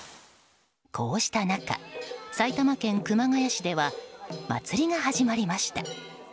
こうした中、埼玉県熊谷市では祭りが始まりました。